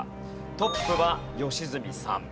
トップは良純さん。